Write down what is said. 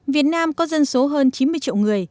việt nam có dân số hơn chín mươi triệu người